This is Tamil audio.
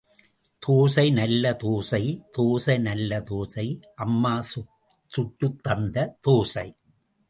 தோசை நல்ல தோசை தோசை நல்ல தோசை—அம்மா சுட்டுத் தந்த தோசை.